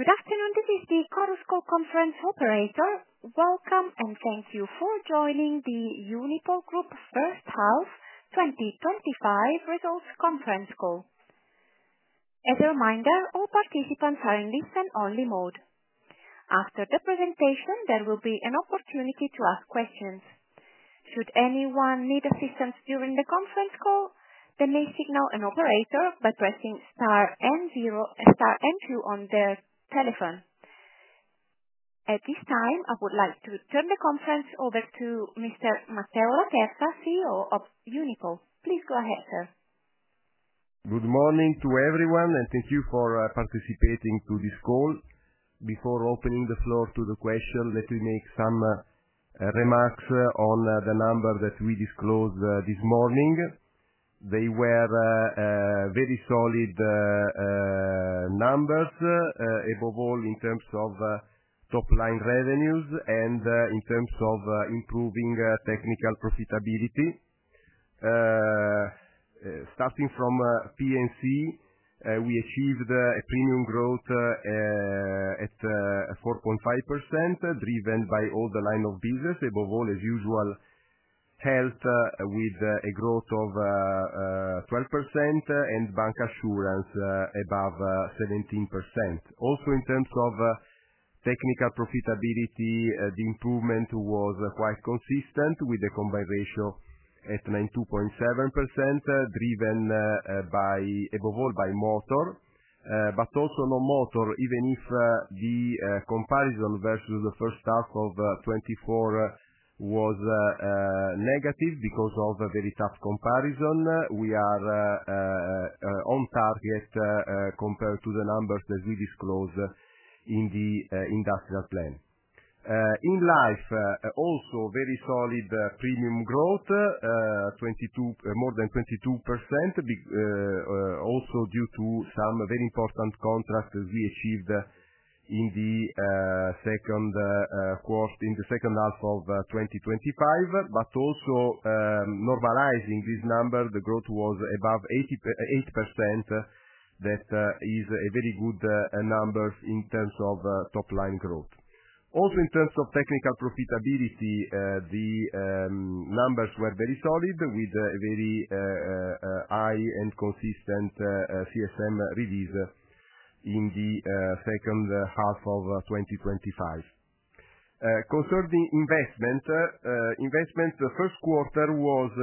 Good afternoon. This is the Chorus Call conference operator. Welcome, and thank you for joining the Uniper Group First Half twenty twenty five Results Conference Call. As a reminder, all participants are in listen only mode. After the presentation, there will be an opportunity to ask questions. At this time, I would like to turn the conference over Marcelo Paesa, CEO of Unipo. Please go ahead, sir. Good morning to everyone, and thank you for participating to this call. Before opening the floor to the question, let me make some remarks on the number that we disclosed this morning. They were very solid numbers above all in terms of top line revenues and in terms of improving technical profitability. Starting from P and C, we achieved a premium growth at 4.5% driven by all the line of business, above all, as usual, helped with a growth of 12% and bank assurance above 17%. Also, in terms of technical profitability, the improvement was quite consistent with the combined ratio at 92.7% driven by above all by Motor. But also on Motor, even if the comparison versus the first half of twenty four was negative because of a very tough comparison. We are on target compared to the numbers that we disclose in the industrial plan. In life, also very solid premium growth, '22 more than 22%, also due to some very important contract that we achieved in the second course in the 2025. But also normalizing this number, the growth was above 88% that is a very good number in terms of top line growth. Also, in terms of technical profitability, the numbers were very solid with a very high and consistent CSM release in the 2025. Concerning investment, investment, the first quarter was, as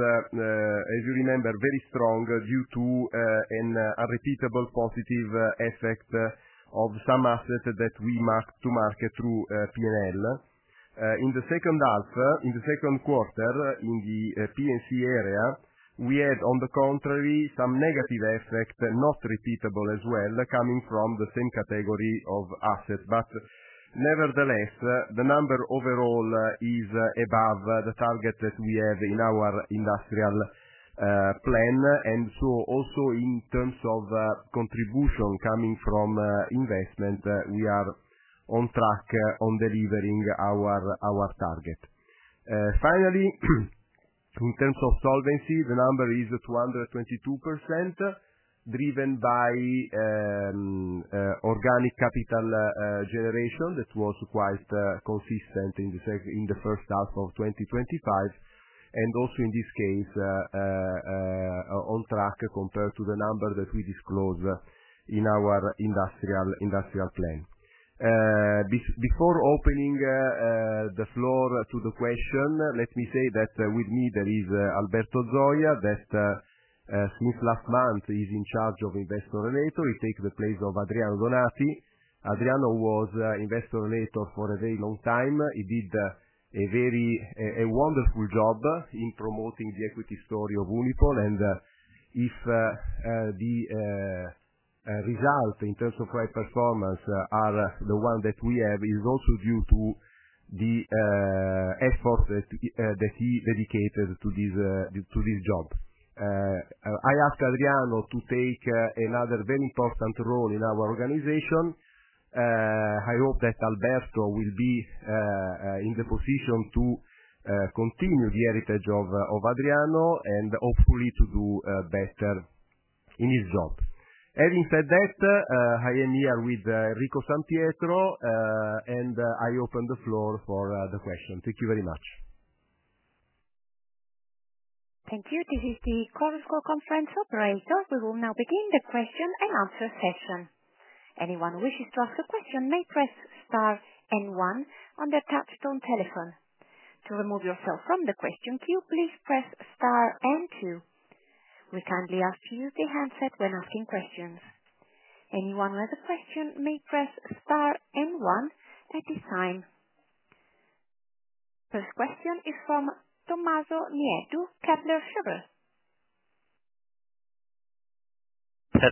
you remember, very strong due to an a repeatable positive effect of some assets that we mark to market through p and l. In the second half, in the second quarter, in the p and c area, we had on the contrary some negative effect that not repeatable as well coming from the same category But nevertheless, the number overall is above the target that we have in our industrial plan. And so also in terms of contribution coming from investment, we are on track on delivering our our target. Finally, in terms of solvency, the number is 222% driven by organic capital generation that was quite consistent in the in the 2025. And also in this case, on track compared to the number that we disclosed in our industrial industrial plan. Be before opening the floor to the question, let me say that with me, there is Alberto Zoya that Smith Lassmann is in charge of investor later. He takes the place of Adriano Donati. Adriano was investor later for a very long time. He did a very a wonderful job in promoting the equity story of Uniphone. And if the result in terms of right performance are the one that we have is also due to the effort that that he dedicated to this to this job. I asked Adriano to take another very important role in our organization. I hope that Alberto will be in the position to continue the heritage of of Adriano and hopefully to do better in his job. Having said that, I am here with Rico Santietro, and I open the floor for the question. Thank you very much. Thank you. This is the Chorus Call conference operator. We will now begin the question and answer session. First question is from Tomazo Nieto, Kepler Cheuvreux. I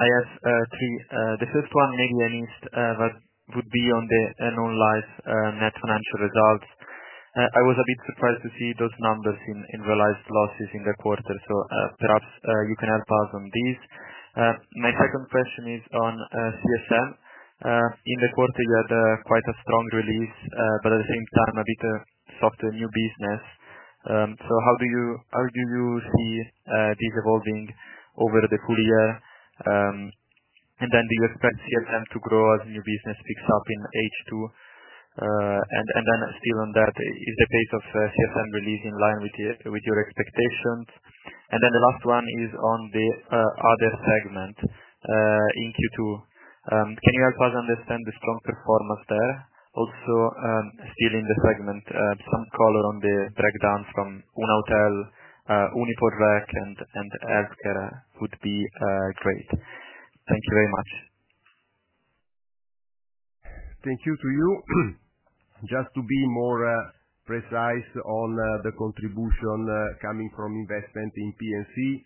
have three. The first one, maybe I missed, would be on the Non Life net financial results. I was a bit surprised to see those numbers in realized losses in the quarter. So perhaps you can help us on this. My second question is on CSM. In the quarter, you had quite a strong release, but at the same time, a bit softer new business. So how do you how do you see this evolving over the full year? And then do you expect CSM to grow as new business picks up in h two? And then still on that, is the pace of CFM release in line with your expectations? And then the last one is on the other segment in Q2. Can you help us understand the strong performance there? Also, still in the segment, some color on the breakdown from Unautel, Uniportrak and Airscarrak would be great. Thank you to you. Just to be more precise on the contribution coming from investment in P and C,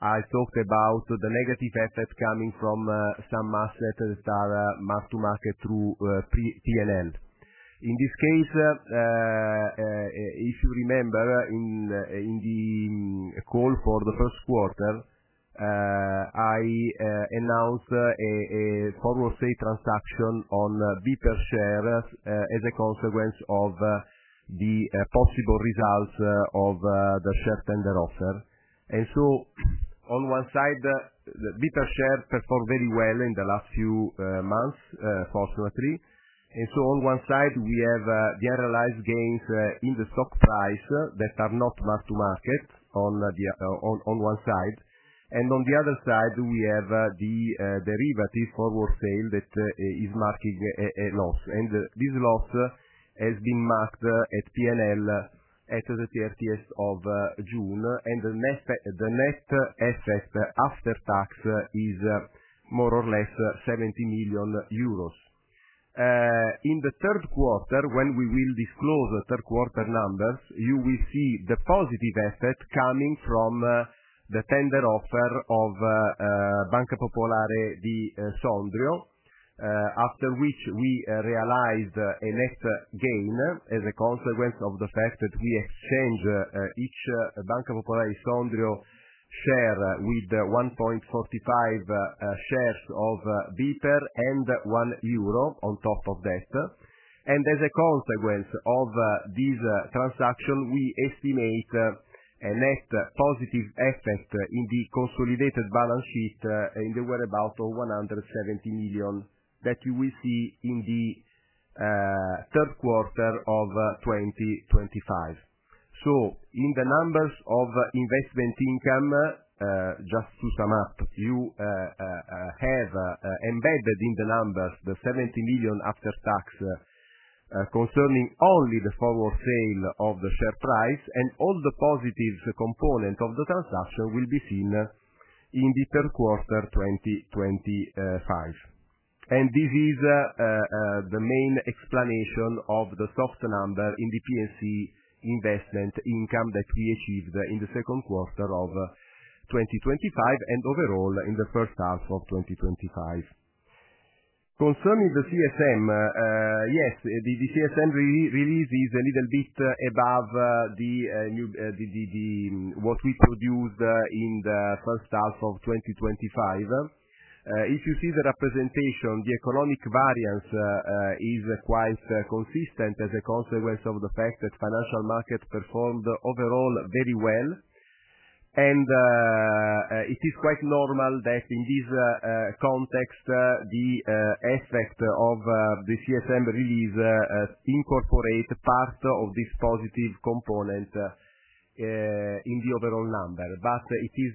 I talked about the negative assets coming from some mass letters that are mark to market through p T and L. In this case, you remember in in the call for the first quarter, I announced a a formal fee transaction on b per share as a consequence of the possible results of the share tender offer. And so on one side, the b per share performed very well in the last few months, fortunately. And so on one side, we have generalized gains in the stock price that are not mark to market on the on on one side. And on the other side, we have the derivative forward sale And this loss has been marked at p and l after the June 30. And the net the net effect after tax is more or less €70,000,000. In the third quarter, when we will disclose the third quarter numbers, you will see the positive assets coming from the tender offer of Banco Popular de Sandrio, after which we realized a net gain as a consequence of the fact that we exchanged each Banco Popularis Sandro share with 1.45 shares of BIPER and €1 on top of that. And as a consequence of this transaction, we estimate a net positive effect in the consolidated balance sheet in the whereabout of 170,000,000 that you will see in the 2025. So in the numbers of investment income, just to sum up, you have embedded in the numbers, the 70,000,000 after tax concerning only the forward sale of the share price and all the positive component of the transaction will be seen in the third quarter twenty twenty five. And this is the main explanation of the soft number in the P and C investment income that we achieved in the 2025 and overall in the 2025. Concerning the CSM, yes, the the CSM really really is a little bit above the new the the the what we produced in the 2025. If you see the representation, the economic variance is quite consistent as a consequence of the fact that financial markets performed overall very well. And it is quite normal that in this context, the aspect of the CSM release incorporate the part of this positive component in the overall number. But it is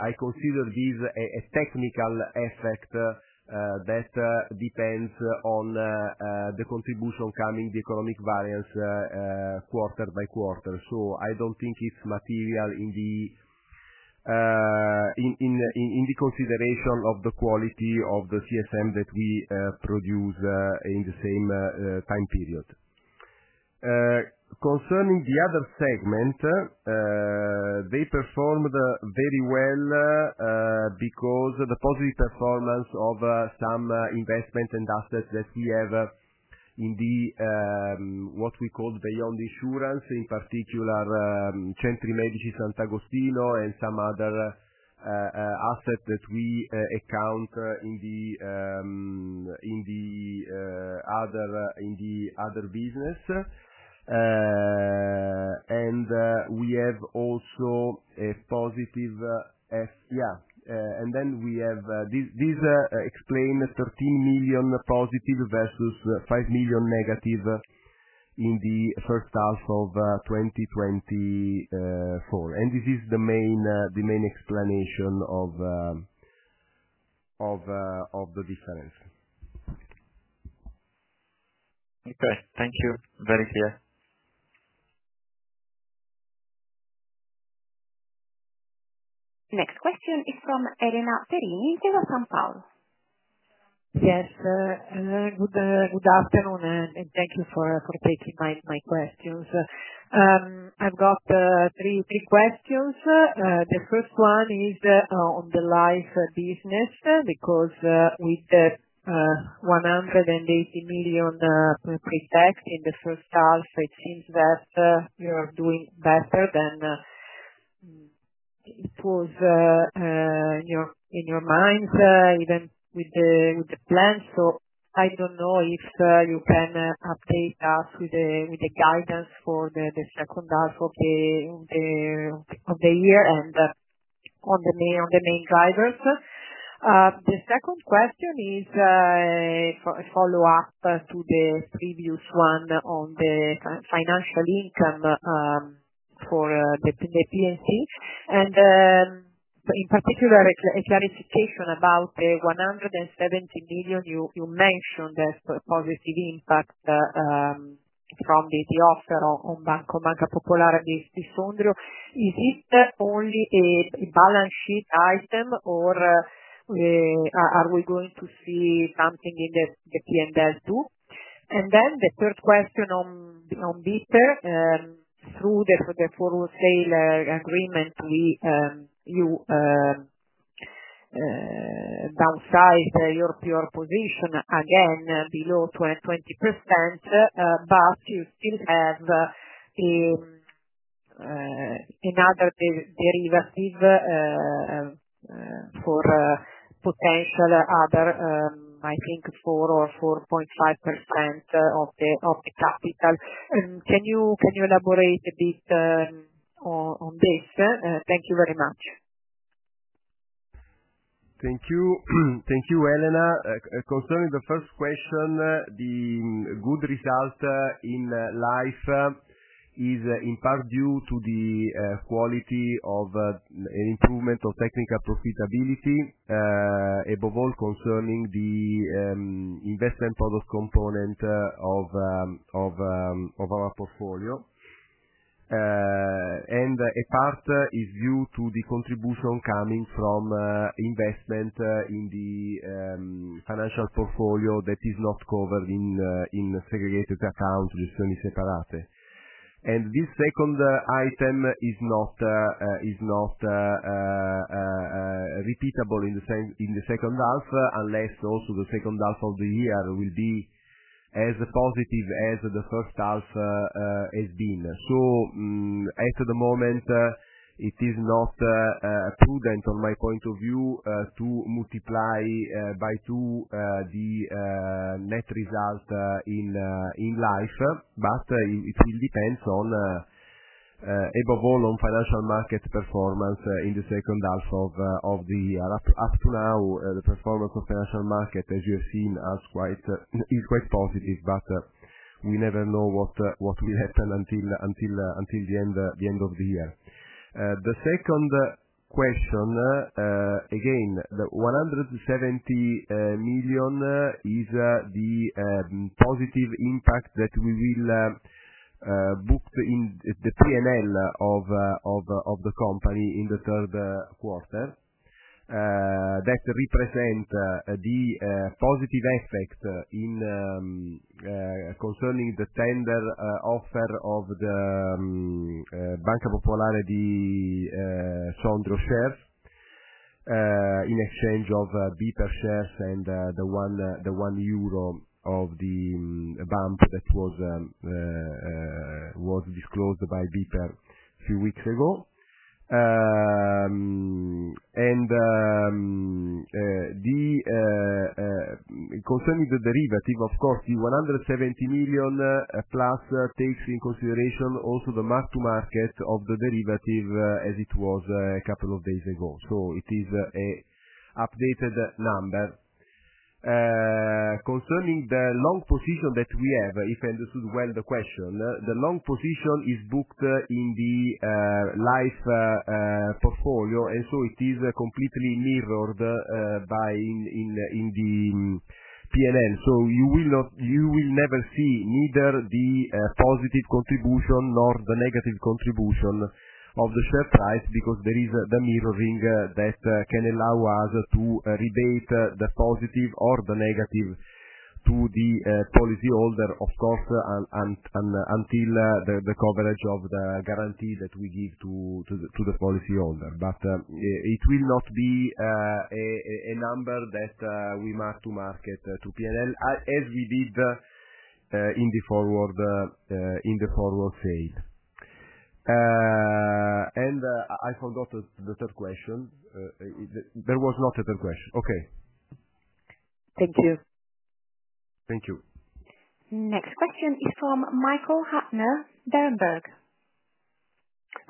I consider this a a technical effect that depends on the contribution coming, the economic variance quarter by quarter. So I don't think it's material in the in in the consideration of the quality of the CSM that we produce in the same time period. Concerning the other segment, they performed very well because of the positive performance of some investment and assets that we have in the what we call the Beyond Insurance, in particular, Gentry Medici, San Agostino, and some other asset that we account in the in the other business. And we have also a positive f yeah. And then we have this this explain the thirteen million positive versus five million negative in the 2024. And this is the main the main explanation of of of the difference. Okay. Thank you. Very clear. Next question is from Elena Perini from San Paulo. Yes. Good afternoon, and thank you for taking my questions. I've got three questions. The first one is on the life business because with the 180,000,000 prepaid in the first half, it seems that you are doing better than it was in your in your mind even with the with the plan. So I don't know if you can update us with the with the guidance for the the second half of the the of the year and on the main on the main drivers. The second question is for a follow-up to the previous one on the financial income for the the P and C. And in particular, a a clarification about the 170,000,000 you you mentioned that the positive impact from the the offer on Banco Macro Polar and Esposondro. Is it only a balance sheet item or are we going to see something in the the p and l two? And then the third question on Bitter, through the for the for sale agreement, we you downsized your your position again below 20%, but you still have a another derivative for potential other, I think, four or 4.5% of the of the capital. And can you can you elaborate a bit on on this? Thank you very much. Thank you. Thank you, Elena. Concerning the first question, the good result in Life is in part due to the quality of an improvement of technical profitability. Above all concerning the investment product component of of of our portfolio. And a part is due to the contribution coming from investment in the financial portfolio that is not covered in in the segregated accounts, mister Niseparate. And this second item is not is not repeatable in the same in the second half unless also the second half of the year will be as positive as the first half has been. So at the moment, it is not prudent on my point of view to multiply by two the net result in in life, it it will depends on, above all, on financial market performance in the second half of of the up up to now, the performance of financial market, as you have seen, is quite is quite positive, but we never know what what will happen until until until the end the end of the year. The second question, again, the 170,000,000 is the positive impact that we will book in the p and l of of of the company in the third quarter. That represent positive effect in concerning the tender offer of the Bank of Polarity, Sandro shares in exchange of BPA shares and the one the €1 of the bank that was was disclosed by BPA few weeks ago. And the concerning the derivative, of course, the 170,000,000 plus takes in consideration also the mark to market of the derivative as it was a couple of days ago. So it is a updated number. Concerning the long position that we have, if I understood well the question, the long position is booked in the life portfolio. And so it is completely mirrored by in in the P and L. So you will not you will never see neither the positive contribution nor the negative contribution of the share price because there is a the mirrored ring that can allow us to rebate the positive or the negative to the policy holder, of course, and and until the the coverage of the guarantee that we give to to the to the policy holder. But it will not be a number that we mark to market to p and l as we did in the forward in the forward phase. And I I forgot the the third question. There was not a third question. Okay. Thank you. Thank you. Next question is from Michael Huttner, Berenberg.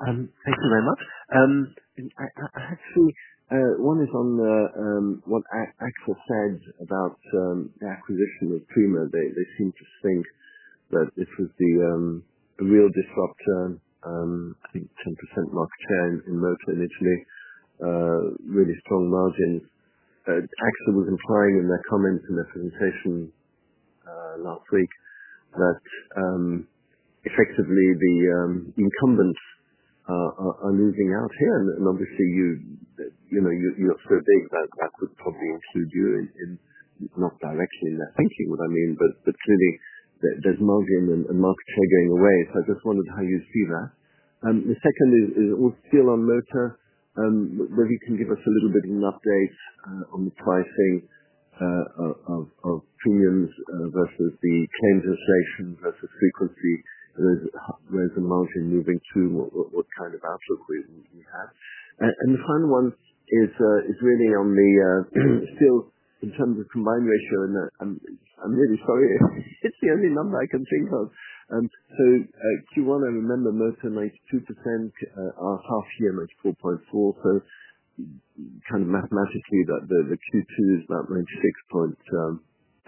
Thank you very much. And I I actually one is on the what I actually said about the acquisition of Primo. They they seem to think that this would be a real disruptor. I think 10% market share in in motor in Italy, really strong margins. AXA was implying in their comments in their presentation last week that effectively the incumbents moving out here. And and obviously, you, you know, you you're not so big that that could probably include you in not directionally in their thinking, what I mean, but but clearly, there there's margin and and market share going away. So I just wondered how you see that. And the second is is it was still on motor. Maybe you can give us a little bit of an update on the pricing of of premiums versus the claims inflation versus frequency? Where where is the margin moving to? What what what kind of outlook we we have? And and the final one is is really on the still in terms of combined ratio and I'm I'm really sorry. It's the only number I can think of. And so q one, remember most of 92%, half year, 94.4. So kind of mathematically, the the the q two is about, like, 6.8,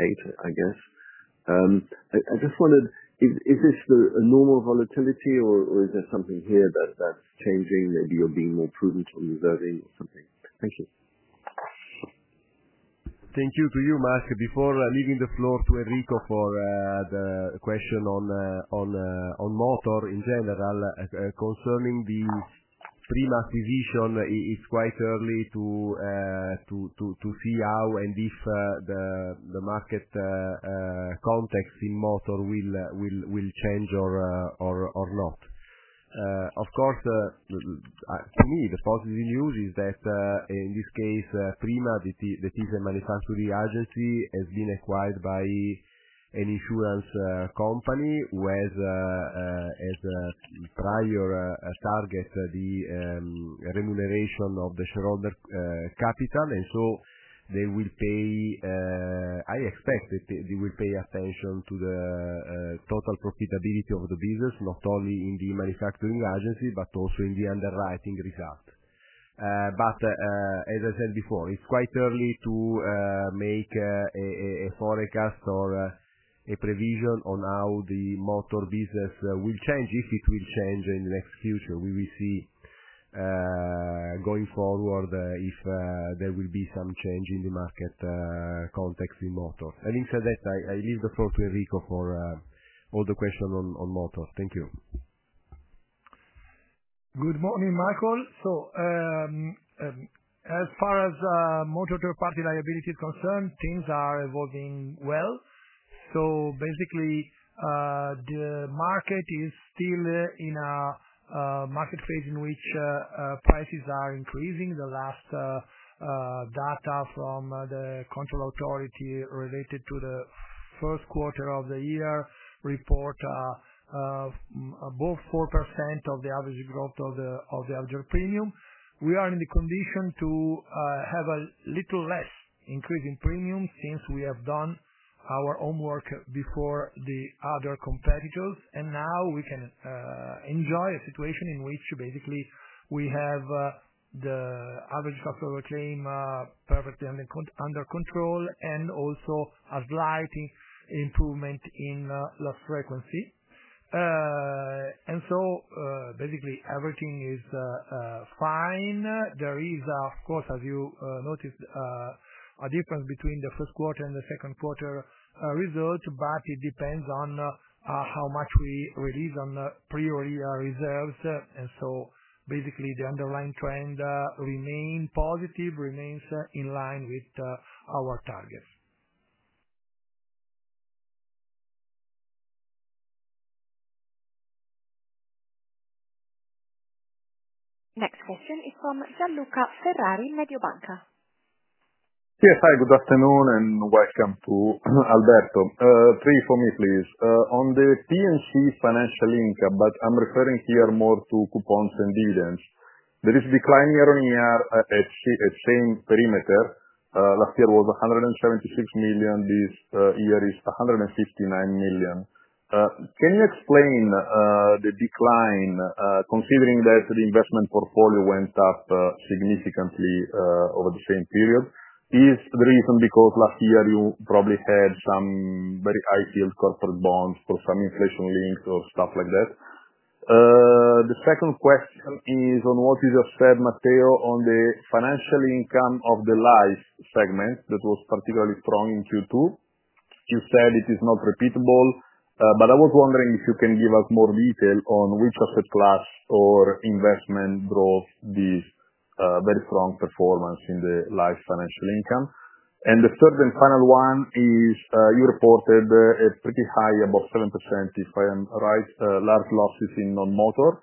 I guess. I I just wondered, is is this the normal volatility or or is there something here that that's changing? Maybe you're being more prudent on reserving or something. Thank you. Thank you to you, Mark. Before leaving the floor to Eric for the question on on Motor in general, concerning the three month division, it's quite early to to see how and if the the market context in motor will will will change or or or not. Of course, to me, the positive news is that in this case, Prima, the the the the the manufacturing agency has been acquired by an insurance company with as a prior target, the remuneration of the shareholder capital. And so they will pay I expect that they they will pay attention to the total profitability of the business, not only in the manufacturing agency, but also in the underwriting result. But as I said before, it's quite early to make a a forecast or a provision on how the motor business will change if it will change in the next future. We will see going forward if there will be some change in the market context in Moto. Having said that, I I leave the floor to Rico for all the question on on Moto. Thank you. Good morning, Michael. So as far as motor third party liability is concerned, things are evolving well. So, basically, the market is still in a market phase in which prices are increasing. The last data from the control authority related to the first quarter of the year report above 4% of the average growth of the of the other premium. We are in the condition to have a little less increase in premium since we have done our own work before the other competitors. And now we can enjoy a situation in which, basically, we have the average customer claim perfectly under under control and also a slight improvement in loss frequency. And so, basically, everything is fine. There is, of course, as you noticed, a difference between the first quarter and the second quarter result, but it depends on how much we release on the prior year reserves. And so, basically, the underlying trend remain positive, remains in line with our targets. Next question is from Gianluca Ferrari, Mediobanca. Yes. Hi. Good afternoon, and welcome to Alberto. Three for me, please. On the P and C financial income, but I'm referring here more to coupons and dividends. There is a decline year on year at at perimeter. Last year was a 176,000,000. This year is a 159,000,000. Can you explain the decline considering that the investment portfolio went up significantly over the same period? Is the reason because last year you probably had some very high yield corporate bonds for some inflation links or stuff like that? The second question is on what you just said, Matteo, on the financial income of the life segment that was particularly strong in q two. You said it is not repeatable, but I was wondering if you can give us more detail on which asset class or investment drove this very strong performance in the life financial income. And the third and final one is you reported a pretty high above 7%, if I am right, large losses in nonmotor.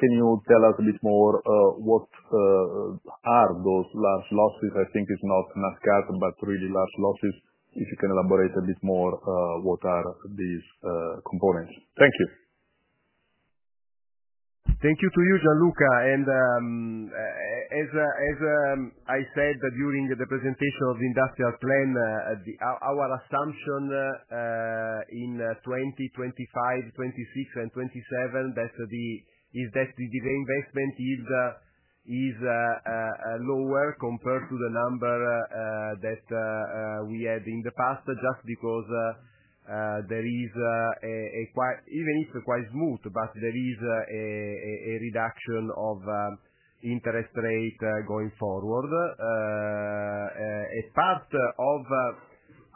Can you tell us a bit more what are those last losses? I think it's not NASCAR, but really last losses. If you can elaborate a bit more what are these components. Thank you. Thank you to you, Gianluca. And as as I said that during the presentation of the industrial plan, the our assumption in 2025, '26, and '27 that the is that the the investment is lower compared to the number that we had in the past just because there is a quite even if it's quite smooth, but there is a a reduction of interest rate going forward. A part of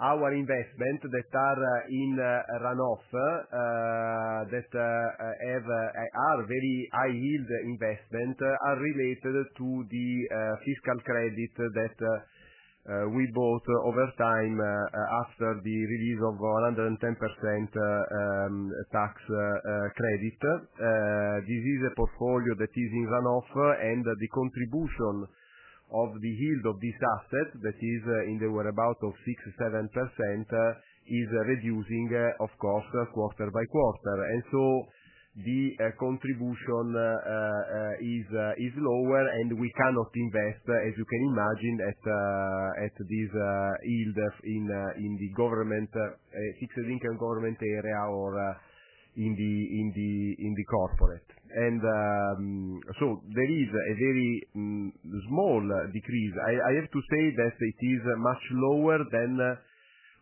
our investment that are in runoff that have are very high yield investment are related to the fiscal credit that we bought over time after the release of 110% tax credit. This is a portfolio that is in runoff and the contribution of the yield of this asset that is in the whereabout of six to 7% is reducing, of course, quarter by quarter. And so the contribution is is lower and we cannot invest, as you can imagine, at at this yield in in the government fixed income government area or in the in the in the corporate. And so there is a very small decrease. I I have to say that it is much lower than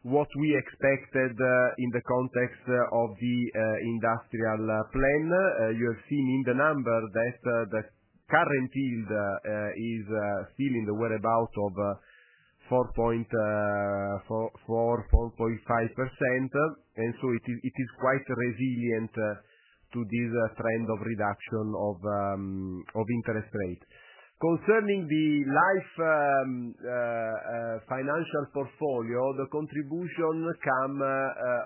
what we expected in the context of the industrial plan. You have seen in the number that the current yield is still in the whereabouts of $4.44.0.5 percent. And so it is it is quite resilient to this trend of reduction of of interest rate. Concerning the life financial portfolio, the contribution come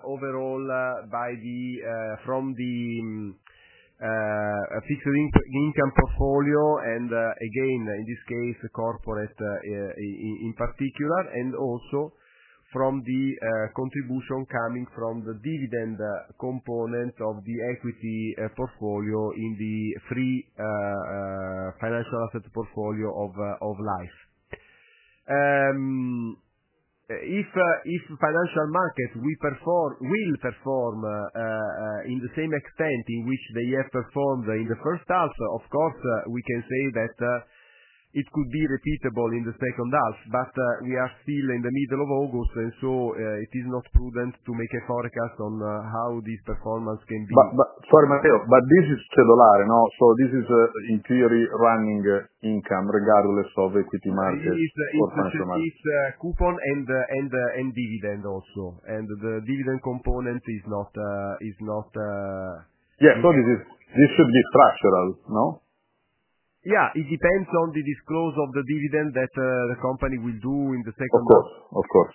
overall by the from the a fixed income portfolio and, again, in this case, the corporate in particular and also from the contribution coming from the dividend component of the equity portfolio in the free financial assets portfolio of of life. If if financial market, we perform will perform in the same extent in which they have performed in the first half, of course, we can say that it could be repeatable in the second half. But we are still in the August, and so it is not prudent to make a forecast on how this performance can be. But but sorry, myself. But this is still a lot. You know? So this is a, in theory, running income regardless of equity market. Is it is coupon and and and dividend also. And the dividend component is not is not Yeah. So this is this should be structural. No? Yeah. It depends on the disclose of the dividend that the company will do in the second Of course. Of course.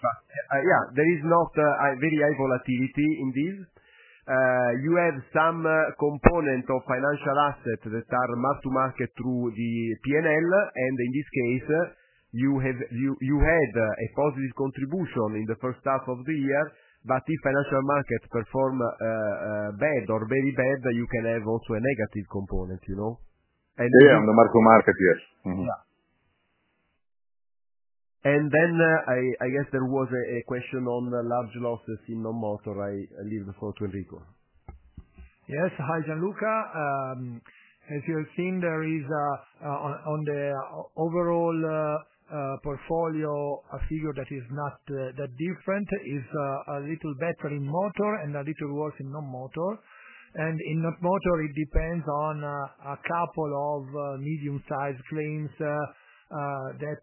But yeah. There is not a very high volatility indeed. You have some component of financial assets that are mark to market through the p and l. And in this case, you have you you had a positive contribution in the first half of the year. But if financial markets perform bad or very bad, then you can have also a negative component, you know. Yeah. Yeah. The mark to market. Yes. Mhmm. And then I I guess there was a a question on the large losses in the motor. I I leave the floor to Enrico. Yes. Hi, Gianluca. As you have seen, there is a on on the overall portfolio, a figure that is not that different. It's little better in motor and a little worse in non motor. And in the motor, it depends on a couple of medium sized claims that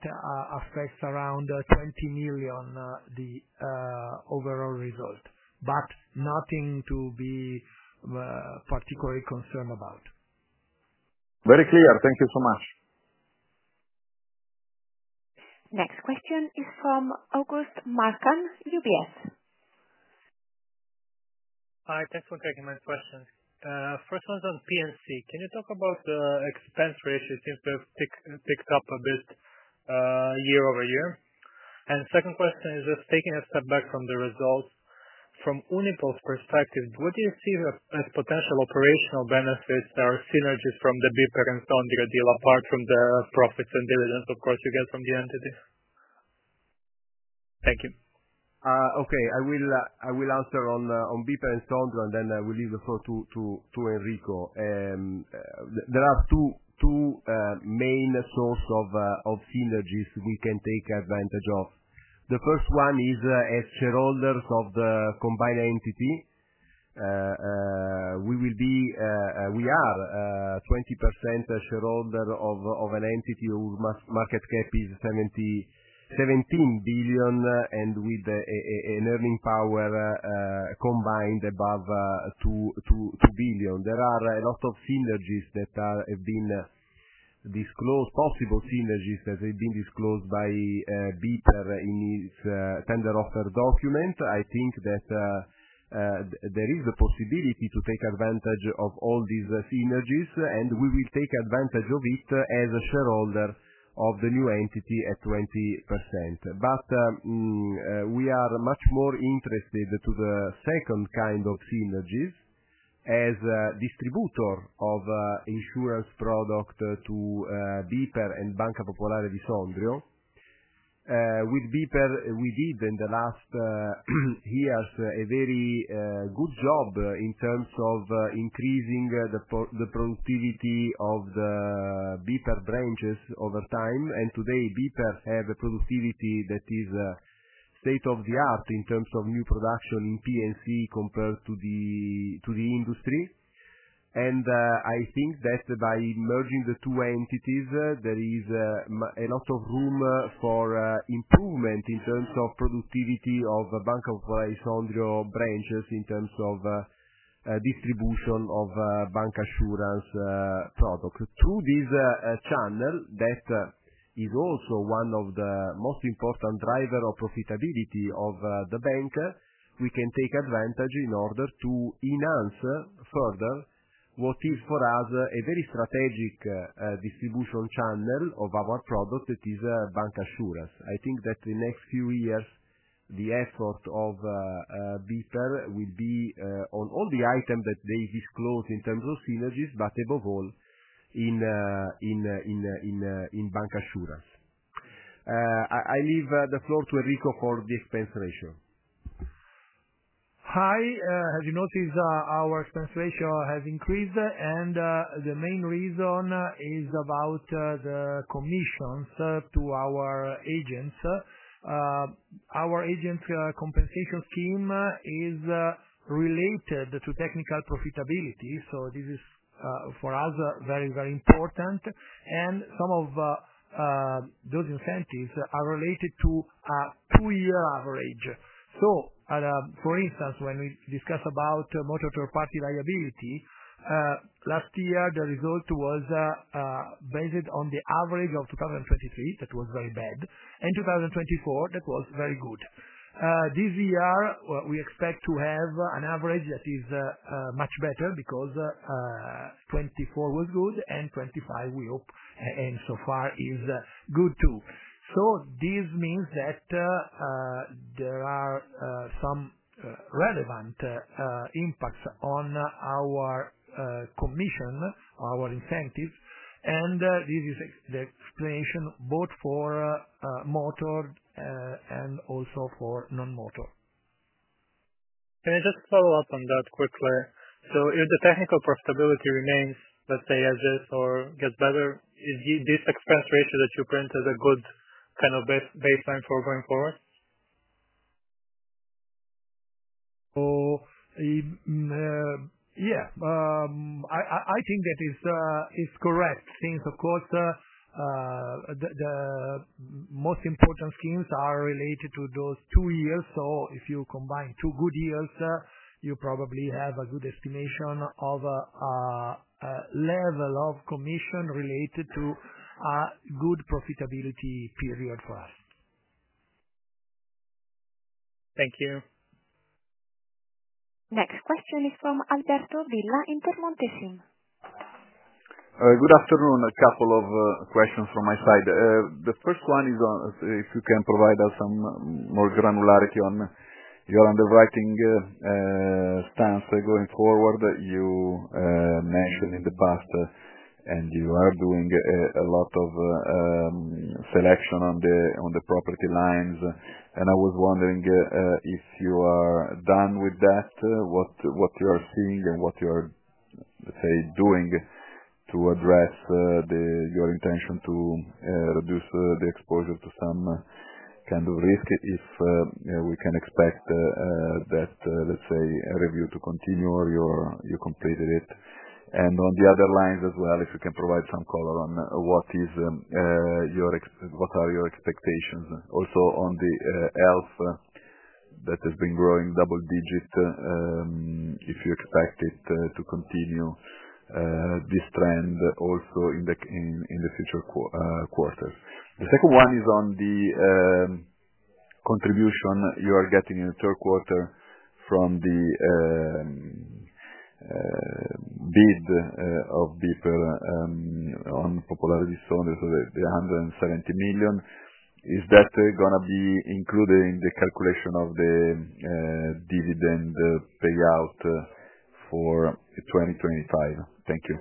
affects around 20,000,000, the overall result, but nothing to be particularly concerned about. Very clear. Thank you so much. Next question is from August Marcon, UBS. Hi. Thanks for taking my question. First one's on P and C. Can you talk about the expense ratio? It seems to have picked picked up a bit year over year. And second question is just taking a step back from the results. From Uniphos perspective, what do you see as as potential operational benefits or synergies from the BIPA and Stondra deal apart from the profits and diligence, of course, you get from the entity? Thank you. Okay. I will I will answer on on Bipa and Saundra, and then I will leave the floor to to to Enrico. There are two two main source of of synergies we can take advantage of. The first one is as shareholders of the combined entity, we will be we are 20% shareholder of of an entity whose mass market cap is $7,017,000,000,000 and with a earning power combined above $2.02 2,000,000,000. There are a lot of synergies that are have been disclosed possible synergies that they've been disclosed by Peter in his tender offer document. I think that there is a possibility to take advantage of all these synergies, and we will take advantage of it as a shareholder of the new entity at 20%. But we are much more interested to the second kind of synergies as a distributor of insurance product to BIPER and Banco Popular de Saundrill. With BIPER, we did in the last he has a very good job in terms of increasing the the productivity of the BIPER branches over time. And today, BPAT has a productivity that is state of the art in terms of new production in p and c compared to the to the industry. And I think that by merging the two entities, there is a lot of room for improvement in terms of productivity of the Bank of Alessandro branches in terms of distribution of Bank Assurance product. Through this channel that is also one of the most important driver of profitability of the bank. We can take advantage in order to enhance further what is for us a very strategic distribution channel of our product that is BankAssurance. I think that the next few years, the effort of BIPER will be on all the items that they disclose in terms of synergies, but above all, in in in in in bank assurance. I I leave the floor to Rico for the expense ratio. Hi. Have you noticed our expense ratio has increased? And the main reason is about the commissions to our agents. Agent compensation scheme is related to technical profitability. So this is, for us, very, very important. And some of those incentives are related to a two year average. So for instance, when we discuss about motor third party liability, last year, the result was based on the average of 2,023 that was very bad. And 02/2024, that was very good. This year, we expect to have an average that is much better because '24 was good and '25 we hope, and so far is good too. So this means that there are some relevant impacts on our commission, our incentive. And this is the explanation both for motor and also for non motor. Can I just follow-up on that quickly? So if the technical profitability remains, let's say, as is or gets better, is this expense ratio that you print as a good kind of base base line for going forward? Oh, yeah. I I I think that is is correct. Since, of course, the the most important schemes are related to those two years. So if you combine two good years, you probably have a good estimation of a level of commission related to a good profitability period for us. Thank you. Next question is from Algerto Villa, Intermontecin. Good afternoon. A couple of questions from my side. The first one is if you can provide us some more granularity on your underwriting stance going forward that you mentioned in the past, and you are doing a lot of selection on the on the property lines. And I was wondering if you are done with that, what what you are seeing and what you are, let's say, doing to address the your intention to reduce the exposure to some kind of risk if we can expect that, let's say, review to continue or you completed it? And on the other lines as well, if you can provide some color on what is your what are your expectations? Also, on the health that has been growing double digit, if you expect it to continue this trend also in the in in the future quarters. The second one is on the contribution you are getting in the third quarter from the bid of people on popularity. So under the the 170,000,000, Is that gonna be included in the calculation of the dividend payout for 2025? Thank you.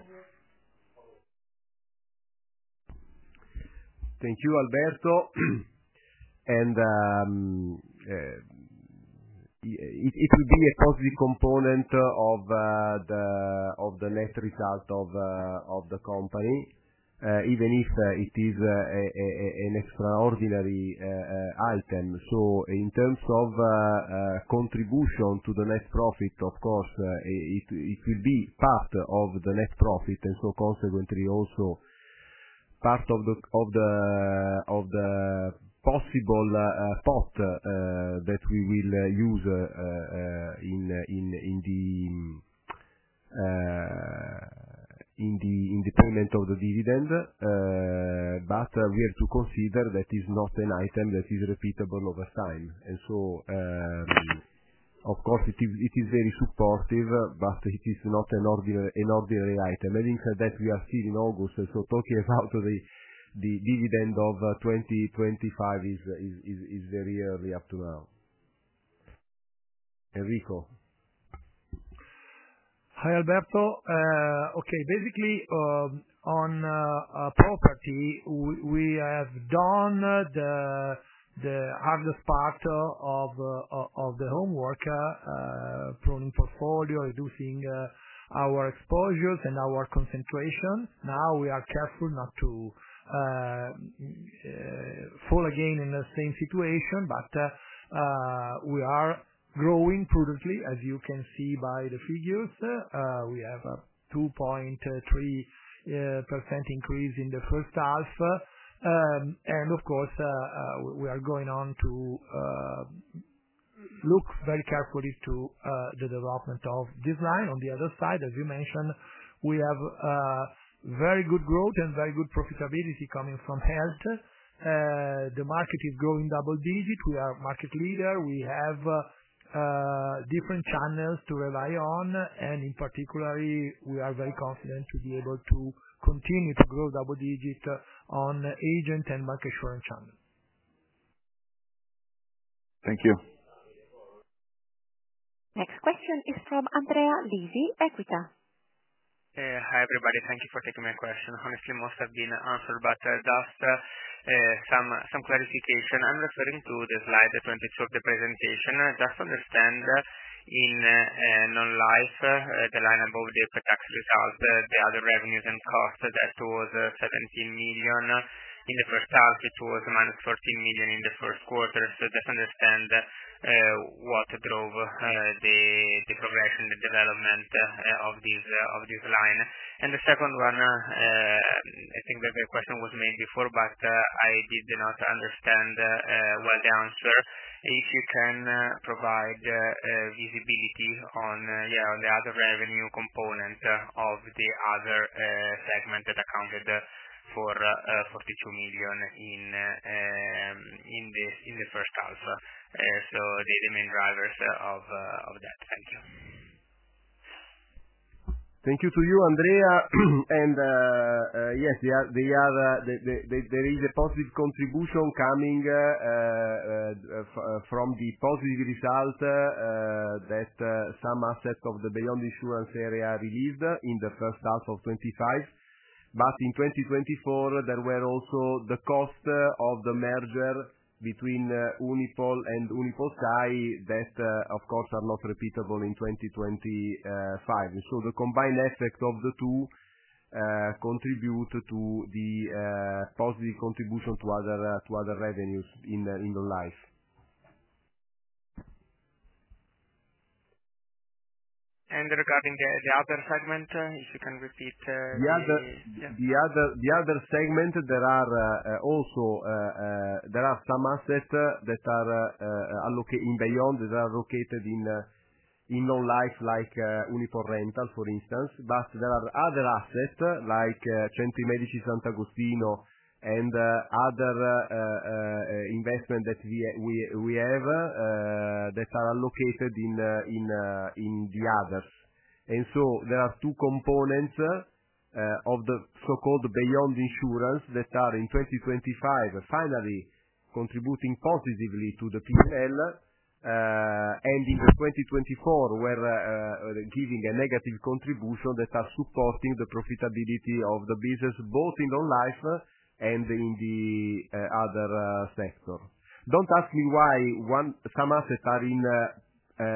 Thank you, Alberto. And it it would be a positive component of the of the net result of of the company even if it is an extraordinary item. So in terms of contribution to the net profit, of course, it it could be part of the net profit and so consequently also part of the of the of the possible thought that we will use in in in the in the in the payment of the dividend. But we have to consider that is not an item that is repeatable over time. And so, of course, it is it is very supportive, but it is not an ordinary an ordinary item. And in fact, that we are still in August. So talking about today, the dividend of 2025 is is is is very early up to now. Enrico. Hi, Alberto. Okay. Basically, on property, we we have done the the hardest part of of the homework, pruning portfolio, reducing our exposures and our concentration. Now we are careful not to fall again in the same situation, but we are growing prudently as you can see by the figures. We have a 2.3% increase in the first half. And, of course, we are going on to look very carefully to the development of this line. On the other side, as you mentioned, we have very good growth and very good profitability coming from health. Market is growing double digit. We are market leader. We have different channels to rely on. And in particularly, we are very confident to be able to continue to grow double digit on agent and market share channel. Thank you. Next question is from Andrea Lizzie, Equita. Honestly, most have been answered, just some clarification. I'm referring to the slide 22 of the presentation. Just understand in Non Life, the line above the pretax result, the other revenues and costs that was $17,000,000 In the first half, it was minus $14,000,000 in the first quarter. So just understand what drove the progression, the development of this line. And the second one, I think the question was made before, but I did not understand what the answer. If you can provide visibility on, yeah, on the other revenue component of the other segment that accounted for 42,000,000 in in the in the first half. They remain drivers of of that. Thank you. Thank you to you, Andrea. And, they are they are they they they there is a positive contribution coming from the positive result that some assets of the Beyond Insurance area released in the '25. But in 2024, there were also the cost of the merger between Uniphol and Unipholtai that, of course, are not repeatable in 2025. So the combined effect of the two contribute to the positive contribution to other to other revenues in the in the life. And regarding the the other segment, if you can repeat the The other the other the other segment, there are also there are some assets that are are locate in Beyond, that are located in in no life like Uniper Rental, for instance. But there are other assets like twenty Medici Santagostino and other investment that we we we have that are located in in in the others. And so there are two components of the so called Beyond Insurance that are in 2025, finally contributing positively to the P and L ending the 2024 where giving a negative contribution that are supporting the profitability of the business both in the life and in the other sector. Don't ask me why one some assets are in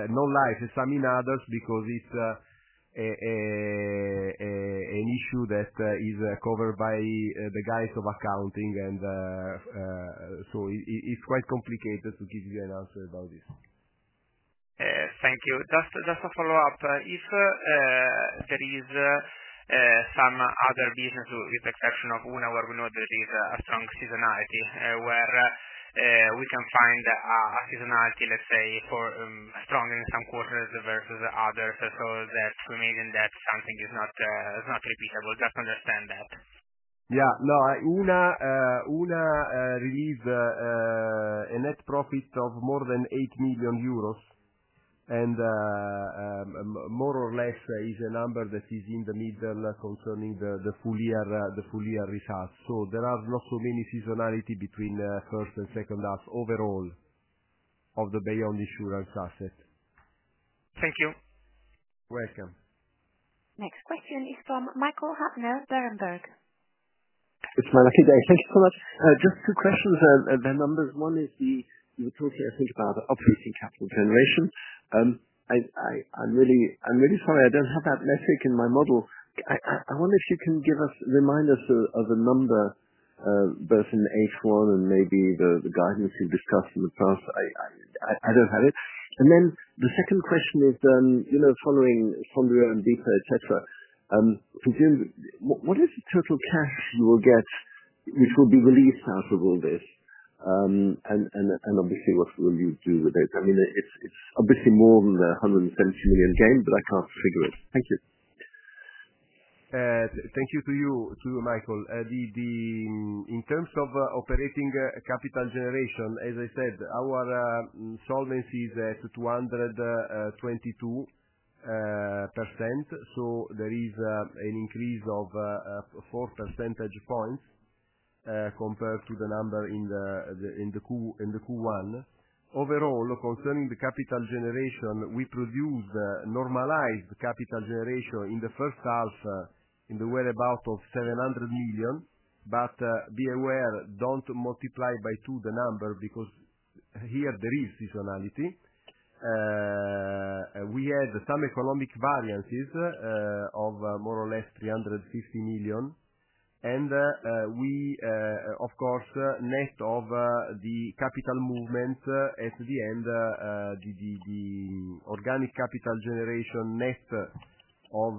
no life and some in others because it's an issue that is covered by the guys of accounting and so it's quite complicated to give you an answer about this. Thank you. Just just a follow-up. If there is some other business with exception of una where we know there is a strong seasonality where we can find a seasonality, let's say, for strong in some quarters versus the others. So so that's remaining that something is not is not repeatable. Just understand that. Yeah. No. UNA UNA released a net profit of more than €8,000,000. And more or less is a number that is in the middle concerning the the full year the full year results. So there are not so many seasonality between the first and second half overall of the Bayonne Insurance asset. Thank you. Welcome. Next question is from Michael Huttner, Berenberg. It's my lucky day. Thank you so much. Just two questions of the numbers. One is the you talked here, I think, about the operating capital generation. I I I'm really I'm really sorry. I don't have that metric in my model. I I I wonder if you can give us remind us of of the number both in h one and maybe the the guidance you've discussed in the past. I I I I don't have it. And then the second question is, you know, following Sandro and Beaker, etcetera. For June, what what is the total cash you will get which will be released out of all this? And and and obviously, what will you do with it? I mean, it's it's obviously more than a 170,000,000 gain, but I can't figure it. Thank you. Thank you to you to you, Michael. The the in terms of operating capital generation, as I said, our solvency is at 222%. So there is an increase of four percentage points compared to the number in the in the the q in the q one. Overall, concerning the capital generation, we produced normalized capital generation in the first half in the whereabout of 700,000,000. But be aware, don't multiply by two the number because here there is seasonality. We had some economic variances of more or less 350,000,000. And we, of course, net of the capital movement at the end, the the the organic capital generation net of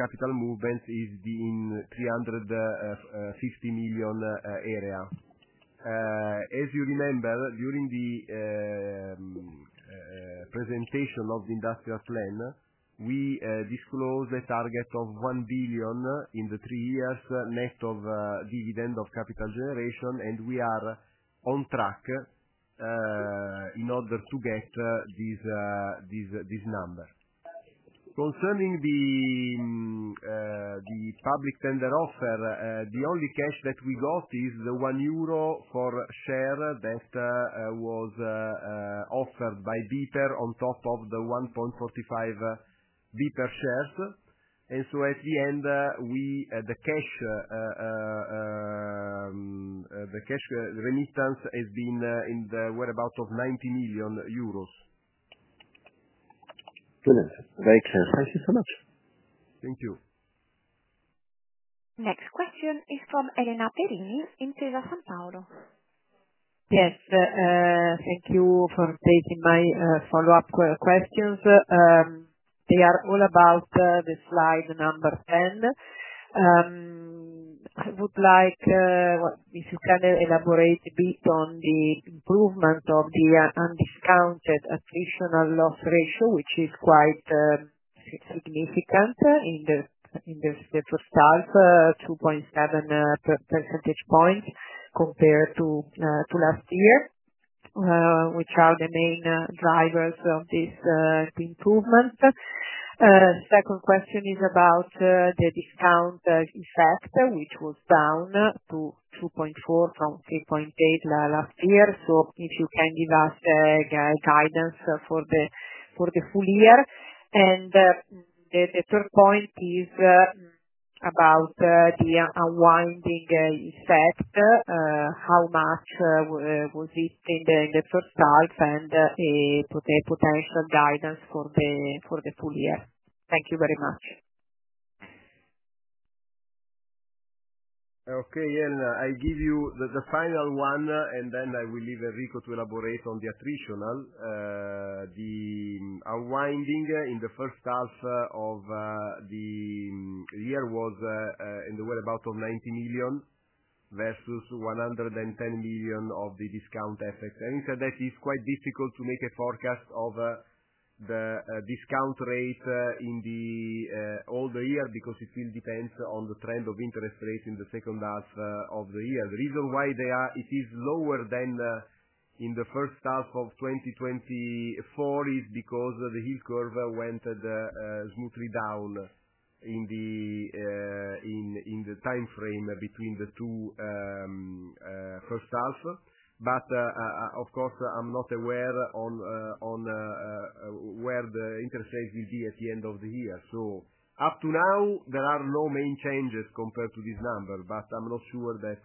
capital movement is being 350,000,000 area. As you remember, during the presentation of the industrial plan, disclosed a target of 1,000,000,000 in the three years net of dividend of capital generation, and we are on track in order to get this this this number. Concerning the the public tender offer, the only cash that we got is the €1 for share that was offered by Deeper on top of the 1.45 Deeper shares. And so at the end, we the cash the cash remittance has been in the whereabouts of €90,000,000. Brilliant. Very clear. Thank you so much. Thank you. Next question is from Elena Perini in Tresa San Paolo. Yes. Thank you for taking my follow-up questions. They are all about slide number 10. I would like if you can elaborate a bit on the improvement of the undiscounted attritional loss ratio, which is quite significant in the in the first half, 2.7 percentage points compared to to last year, which are the main drivers of this improvement. Second question is about discount effect, which was down to 2.4 from 3.8 last year. So if you can give us guidance for the the full year. And third point is about the unwinding effect, how much was it in first half and potential guidance for the full year? Okay. And I'll give you final one, and then I will leave Rico to elaborate on the attritional. The unwinding in the first half of the year was in the whereabouts of 90,000,000 versus 110,000,000 of the discount FX. And so that is quite difficult to make a forecast of the discount rate in the all the year because it will depend on the trend of interest rates in the second half of the year. The reason why they are it is lower than in the 2024 is because the yield curve went smoothly down in the in in the time frame between the two first half. But, of course, I'm not aware on on where the interest rate will be at the end of the year. So up to now, there are no main changes compared to this number, but I'm not sure that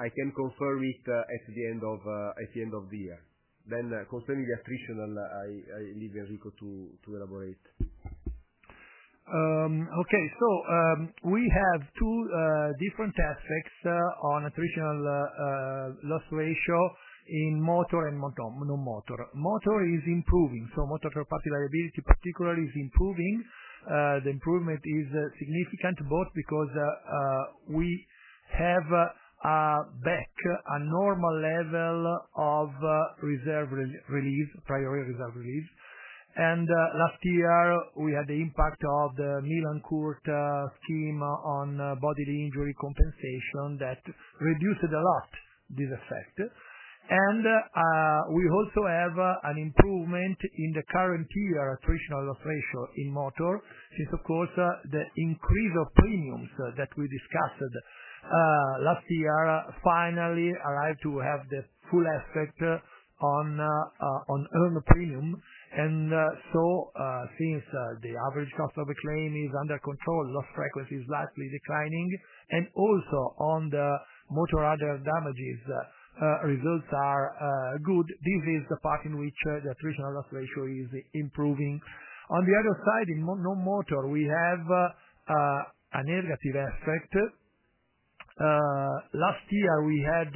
I can confirm it at the end of at the end of the year. Then concerning the attritional, I I leave Enrico to to elaborate. Okay. So we have two different aspects on attritional loss ratio in motor and motor. Motor is improving. So motor property liability particularly is improving. The improvement is significant both because we have back a normal level of reserve release priority reserve release. And last year, we had the impact of the Milan Court team on bodily injury compensation that reduces a lot this effect. And we also have an improvement in the current year attritional loss ratio in motor since, of course, the increase of premiums that we discussed last year finally arrived to have the full aspect on on earned premium. And so since the average cost of a claim is under control, loss frequency is likely declining. And also on the motor other damages, results are good. This is the part in which the attritional loss ratio is improving. On the other side, in no no motor, we have a negative effect. Last year, we had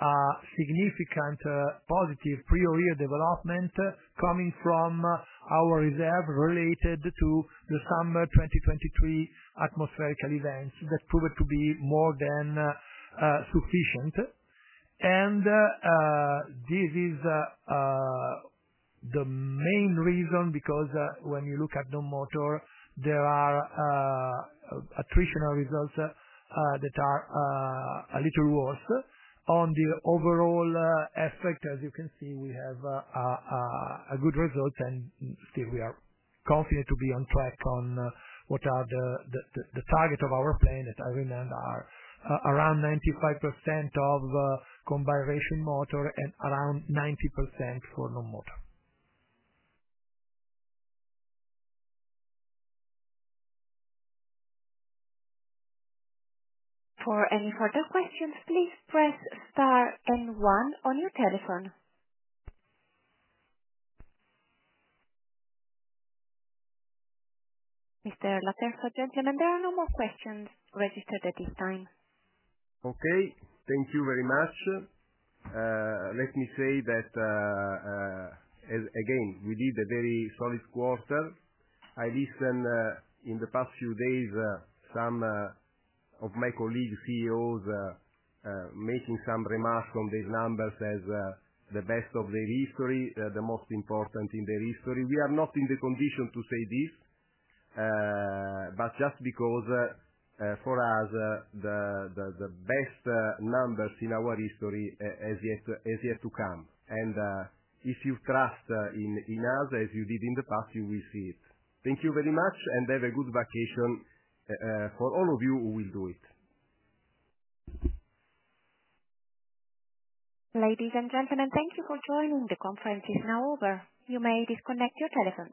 a significant positive preorder development coming from our reserve related to the summer twenty twenty three atmospherical events that prove it to be more than sufficient. And this is the main reason because when you look at the motor, there are attritional results that are a little worse. On the overall aspect, as you can see, we have a good result and still we are confident to be on track on what are the the the the target of our plan that I remember are around 95% of combined ratio motor and around 90% for the motor. For any further questions, please press star and one on your telephone. Mister Latterson, gentlemen, there are no more questions registered at this time. Okay. Thank you very much. Let me say that, again, we did a very solid quarter. I listened in the past few days some of my colleague CEOs making some remarks on these numbers as the best of their history, the most important in their history. We are not in the condition to say this, but just because for us, the the the best numbers in our history is yet is yet to come. And if you trust in in us as you did in the past, you will see it. Thank you very much, and have a good vacation for all of you who will do it. Ladies and gentlemen, thank you for joining. The conference is now over. You may disconnect your telephones.